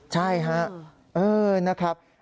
ใช่ฮะเออนะครับ